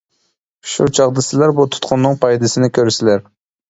شۇ چاغدا سىلەر بۇ تۇتقۇننىڭ پايدىسىنى كۆرىسىلەر.